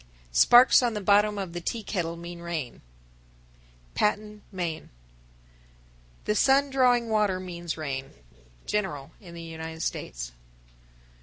Sparks on the bottom of the tea kettle mean rain. Patten, Me. 1038. The sun drawing water means rain. _General in the United States.